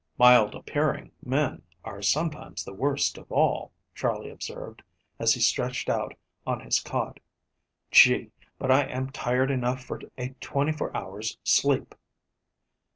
"Mild appearing men are sometimes the worst of all," Charley observed, as he stretched out on his cot. "Gee! but I am tired enough for a twenty four hours' sleep."